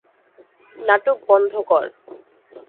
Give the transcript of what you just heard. নাটক বন্ধ কর।